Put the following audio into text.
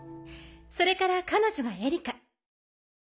それから彼女はエリカ。